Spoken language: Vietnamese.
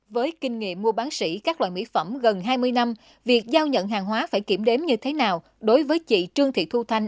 với kinh nghiệm mua bán sĩ các loại mỹ phẩm gần hai mươi năm việc giao nhận hàng hóa phải kiểm đếm như thế nào đối với chị trương thị thu thanh